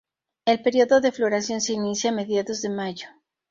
El período de floración se inicia a mediados de mayo.